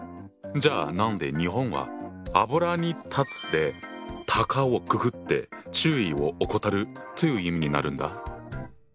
じゃあ何で日本は油に断つで「たかをくくって注意を怠る」という意味になるんだ？